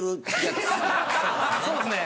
そうですね。